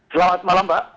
selamat malam pak